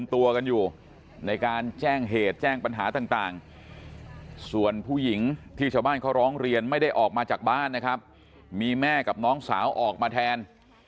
ที่ชาวบ้านเขาร้องเรียนไม่ได้ออกมาจากบ้านนะครับมีแม่กับน้องสาวออกมาแทน